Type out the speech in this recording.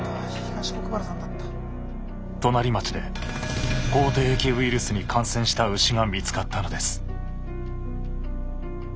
隣町で口てい疫ウイルスに感染した牛が見つかったのです。